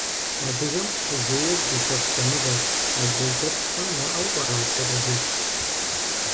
Адыгэм кхъужьейр ди хэку дамыгъэщ, адрей лъэпкъхэм яӀэу пӀэрэ апхуэдэ жыг?